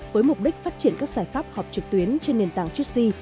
với mục đích phát triển các giải pháp họp trực tuyến trên nền tảng chessy